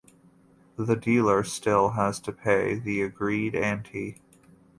The dealer still has to pay the agreed ante.